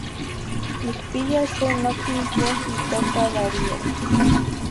Nicpiya se nocni yeh itoca Darío.